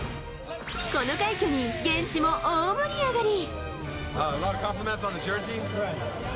この快挙に、現地も大盛り上がり。